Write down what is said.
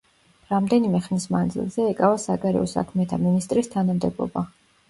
რამდენიმე ხნის მანძილზე ეკავა საგარეო საქმეთა მინისტრის თანამდებობა.